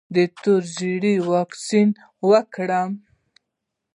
د تور ژیړي واکسین وکړم؟